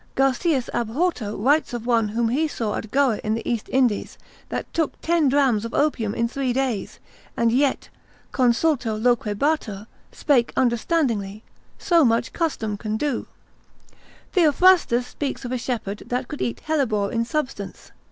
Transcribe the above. Garcias ab Horto writes of one whom he saw at Goa in the East Indies, that took ten drams of opium in three days; and yet consulto loquebatur, spake understandingly, so much can custom do. Theophrastus speaks of a shepherd that could eat hellebore in substance.